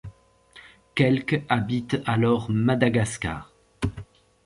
Quelque habitent alors Madagascar.